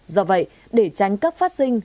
do vậy để tránh các phát sinh